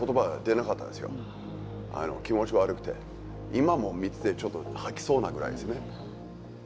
今も見ててちょっと吐きそうなぐらいですね。